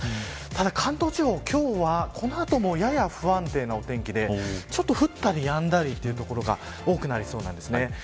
ただ関東地方、今日はこの後もやや不安定なお天気で降ったりやんだりという所が多くなりそうなんです。